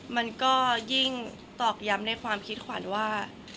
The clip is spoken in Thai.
มันก็ยิ่งตอกย้ำในความคิดขวัญว่า